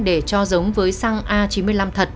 để cho giống với xăng a chín mươi năm thật